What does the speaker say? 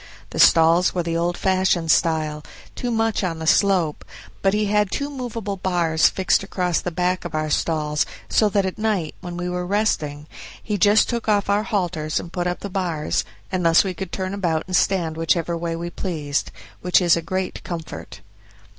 The stalls were the old fashioned style, too much on the slope; but he had two movable bars fixed across the back of our stalls, so that at night, and when we were resting, he just took off our halters and put up the bars, and thus we could turn about and stand whichever way we pleased, which is a great comfort.